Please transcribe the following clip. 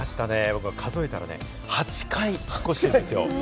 数えたら、８回引っ越してるんですよ。